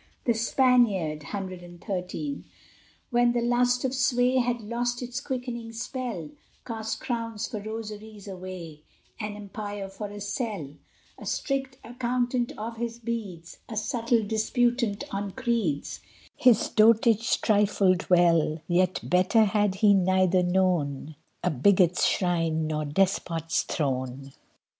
The Spaniard, when the lust of sway Had lost its quickening spell, Cast crowns for rosaries away, An empire for a cell; A strict accountant of his beads, A subtle disputant on creeds, His dotage trifled well: Yet better had he neither known A bigot's shrine, nor despot's throne.